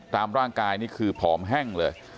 ตามร่างกายนี่คือผอมแห้งเลย